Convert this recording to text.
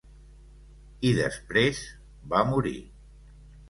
I després va morir.